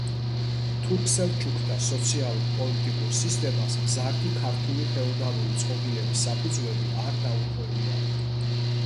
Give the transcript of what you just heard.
თურქ-სელჩუკთა სოციალურ-პოლიტიკურ სისტემას მზარდი ქართული ფეოდალური წყობილების საფუძვლები არ დაურღვევია.